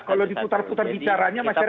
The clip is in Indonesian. kalau diputar putar bicaranya masyarakat